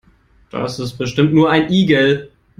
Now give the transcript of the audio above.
Das ist bestimmt nur ein Igel.